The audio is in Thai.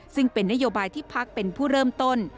ซึ่งเป็นนโยบายที่พักเป็นผู้เริ่มต้น